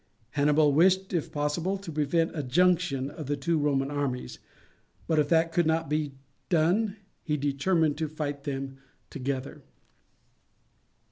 Hannibal wished, if possible, to prevent a junction of the two Roman armies, but if that could not be done he determined to fight them together.